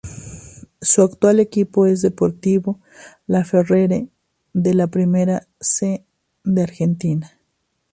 Su actual equipo es Deportivo Laferrere de la Primera C de Argentina.